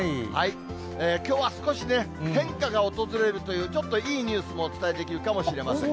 きょうは少しね、変化が訪れるという、ちょっといいニュースもお伝えできるかもしれません。